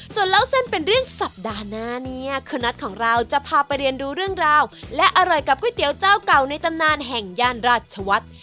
ส่วนเล่าเส้นเป็นเรื่องสัปดาห์หน้าเนี่ยคุณนัทของเราจะพาไปเรียนดูเรื่องราวและอร่อยกับก๋วยเตี๋ยวเจ้าเก่าในตำนานแห่งย่านราชวัฒน์